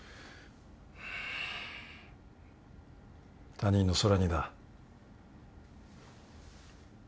他人の空似だ。